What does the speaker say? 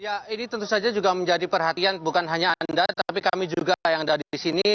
ya ini tentu saja juga menjadi perhatian bukan hanya anda tapi kami juga yang ada di sini